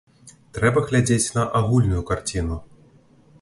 Трэба глядзець на агульную карціну.